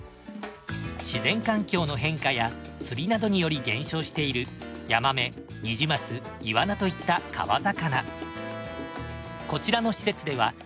自然環境の変化や釣りなどにより減少しているヤマメニジマスイワナといった川魚。